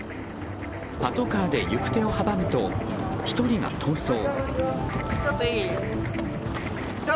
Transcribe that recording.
パトカーで行く手を阻むと１人が逃走。